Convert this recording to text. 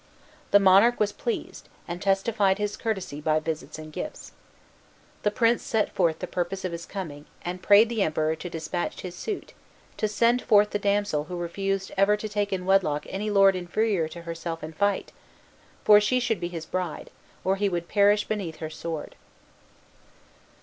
The monarch was pleased, and testified his courtesy by visits and gifts. The prince set forth the purpose of his coming, and prayed the Emperor to dispatch his suit "to send forth the damsel who refused ever to take in wedlock any lord inferior to herself in fight; for she should be his bride, or he would perish beneath her sword."